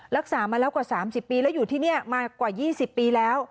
รักษามาแล้วกว่า๓๐ปีแล้วอยู่ที่นี่มากว่า๒๐ปีแล้ว